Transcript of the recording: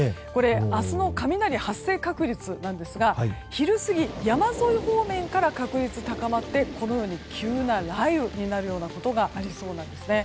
明日の雷発生確率ですが昼過ぎ、山沿い方面から高まってこのように急な雷雨になることがありそうなんです。